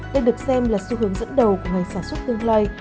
đây được xem là xu hướng dẫn đầu của ngành sản xuất tương lai